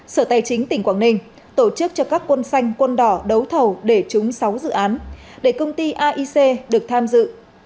sở tài chính tỉnh quảng ninh tổ chức cho các quân xanh quân đỏ đấu thầu để trúng sáu dự án để công ty aic được tham dự